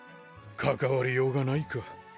関わりようがないか。